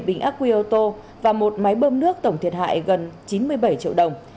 một bình ác quy ô tô và một máy bơm nước tổng thiệt hại gần chín mươi bảy triệu đồng